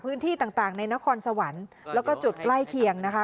พื้นที่ต่างในนครสวรรค์แล้วก็จุดใกล้เคียงนะคะ